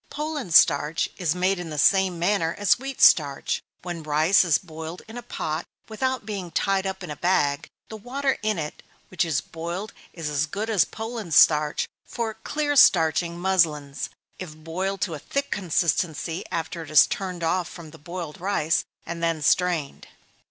Poland starch is made in the same manner as wheat starch. When rice is boiled in a pot without being tied up in a bag, the water in which it is boiled is as good as Poland starch for clear starching muslins, if boiled to a thick consistency after it is turned off from the boiled rice, and then strained.